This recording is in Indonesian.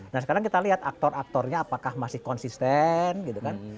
nah sekarang kita lihat aktor aktornya apakah masih konsisten gitu kan